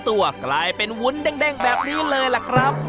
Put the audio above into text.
ตัวกลายเป็นวุ้นเด้งแบบนี้เลยล่ะครับ